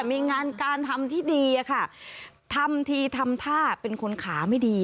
มีงานการทำที่ดีอะค่ะทำทีทำท่าเป็นคนขาไม่ดี